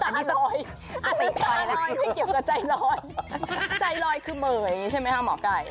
ตายแล้วอันนั้นตาลอยอันนั้นตาลอยไม่เกี่ยวกับใจลอยใจลอยคือเมื่อยใช่ไหมฮะหมอไกลย์